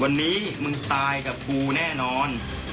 วันนี้มึงตายกับกูแน่นอน